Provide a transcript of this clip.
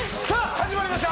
始まりました。